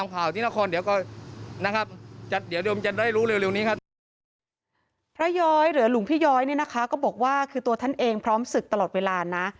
พระย้อยหรือหลวงพี่ย้อยเนี่ยนะคะก็บอกว่าคือตัวท่านเองพร้อมศึกตลอดเวลานะ